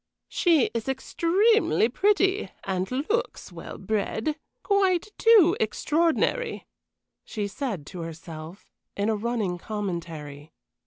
"She is extremely pretty and looks well bred quite too extraordinary," she said to herself, in a running commentary.